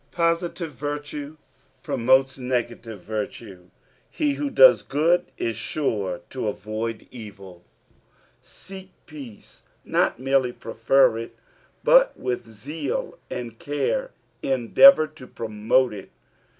Positive virtue promotes negative virtue ; he who does good is sure to avoid evil. " Seek peaee." Not merely prefer it, but with zeal and care endeavour to promote it.